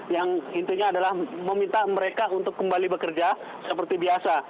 yang intinya adalah meminta mereka untuk kembali bekerja seperti biasa